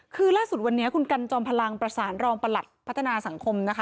คือล่าสุดวันนี้คุณกันจอมพลังประสานรองประหลัดพัฒนาสังคมนะคะ